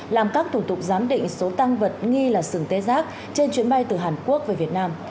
làm các thủ tục giám định số tăng vật nghi là sừng tê giác trên chuyến bay từ hàn quốc về việt nam